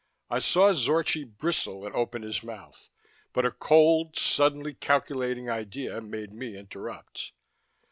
I saw Zorchi bristle and open his mouth, but a cold, suddenly calculating idea made me interrupt.